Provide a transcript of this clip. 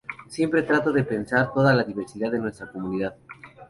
Siempre trato de presentar toda la diversidad de nuestra comunidad.